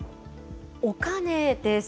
お金です。